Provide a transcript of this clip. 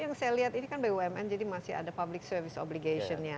yang saya lihat ini kan bumn jadi masih ada public service obligation nya